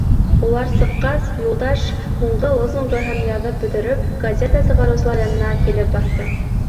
Улар сыҡҡас, Юлдаш, һуңғы лозунгыһын яҙып бөтөрөп, газета сығарыусылар янына килеп баҫты.